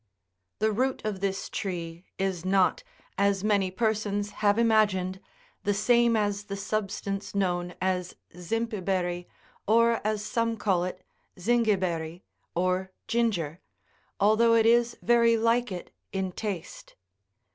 The root of this tree is not, as many persons have imagined, the same as the substance known as zimpiberi, or, as some call it, zingiberi, or ginger, although it is very like it in taste.